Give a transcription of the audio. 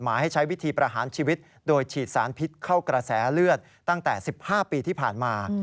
มีการฉีดสารพิษเข้ากระแสเลือดตั้งแต่๑๕ปีที่ผ่านมา